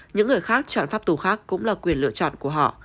những người khác chọn pháp tù khác cũng là quyền lựa chọn của họ